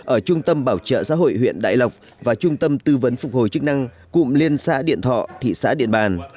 ở trung tâm bảo trợ xã hội huyện đại lộc và trung tâm tư vấn phục hồi chức năng cụm liên xã điện thọ thị xã điện bàn